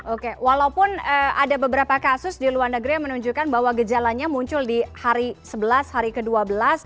oke walaupun ada beberapa kasus di luar negeri yang menunjukkan bahwa gejalanya muncul di hari sebelas hari ke dua belas